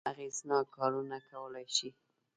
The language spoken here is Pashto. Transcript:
اغېزناک کارونه کولای شي.